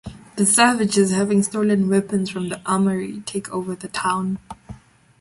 The Savages, having stolen weapons from the Armory, take over the town.